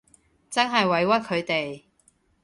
真係委屈佢哋